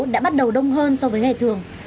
đều đông hơn so với ngày thường